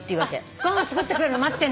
ご飯作ってくれるの待ってんだ。